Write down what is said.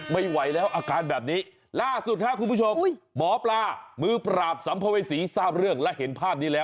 ไม่ไหวแล้วอาการแบบนี้ล่าสุดครับคุณผู้ชมหมอปลามือปราบสัมภเวษีทราบเรื่องและเห็นภาพนี้แล้ว